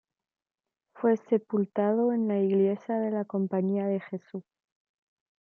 Fue sepultado en la iglesia de la Compañía de Jesús.